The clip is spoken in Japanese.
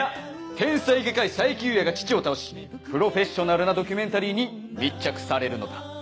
天才外科医・冴木裕也が父を倒しプロフェッショナルなドキュメンタリーに密着されるのだ。